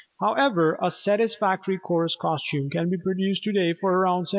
However, a satisfactory chorus costume can be produced today for around $75.